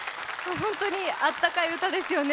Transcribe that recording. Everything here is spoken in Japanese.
本当にあったかい歌ですよね。